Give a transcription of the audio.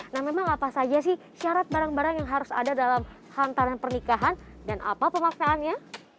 nah memang apa saja sih syarat barang barang yang harus ada dalam hantaran pernikahan dan apa pemaksaannya